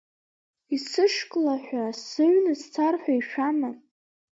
Исышьклаҳәа сыҩны сцар ҳәа ишәама…